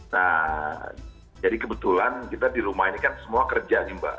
nah jadi kebetulan kita di rumah ini kan semua kerja nih mbak